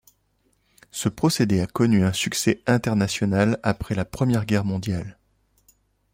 Ce procédé a connu un succès international après la Première Guerre mondiale.